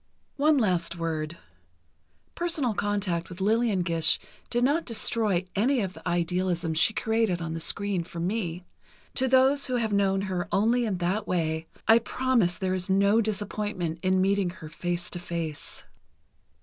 One last word: personal contact with Lillian Gish did not destroy any of the idealism she created on the screen for me. To those who have known her only in that way, I promise there is no disappointment in meeting her face to face.